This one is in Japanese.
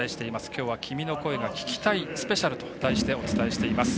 きょうは「君の声が聴きたいスペシャル」と題してお伝えしています。